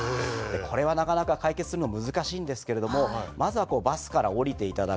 これはなかなか解決するの難しいんですけれどもまずはバスから降りていただく。